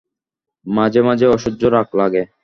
মাঝে মাঝে অসহ্য রাগ লাগে।